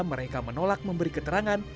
mereka menolak memberi keterangan